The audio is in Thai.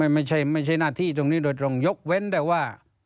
ไม่ใช่หน้าที่ตรงนี้โดยตรงยกเว้นแต่ว่า